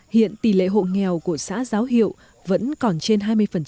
hiện tỷ lệ hộ nghèo của xã giáo hiệu vẫn còn trên hai mươi